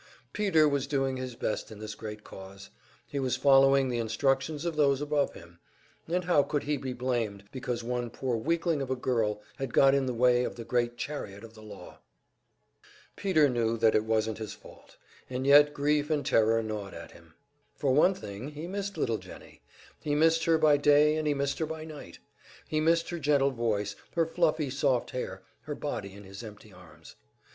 Peter was doing his best in this great cause, he was following the instructions of those above him, and how could he be blamed because one poor weakling of a girl had got in the way of the great chariot of the law? Peter knew that it wasn't his fault; and yet grief and terror gnawed at him. For one thing, he missed little Jennie, he missed her by day and he missed her by night. He missed her gentle voice, her fluffy soft hair, her body in his empty arms.